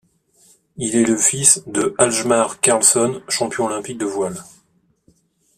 Il est le fils de Hjalmar Karlsson, champion olympique de voile.